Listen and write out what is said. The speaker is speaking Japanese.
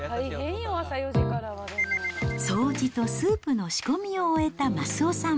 掃除とスープの仕込みを終えた益男さん。